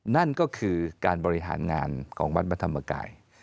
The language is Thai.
นั่นก็คือการบริหารงานของวัดพระธรรมกาย